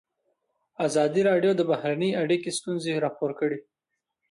ازادي راډیو د بهرنۍ اړیکې ستونزې راپور کړي.